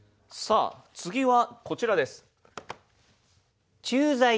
次はこちらです。